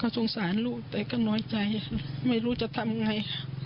สงสารลูกแต่ก็น้อยใจไม่รู้จะทำไง